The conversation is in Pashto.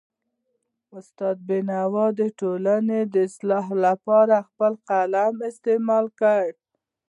استاد بینوا د ټولنې د اصلاح لپاره خپل قلم استعمال کړ.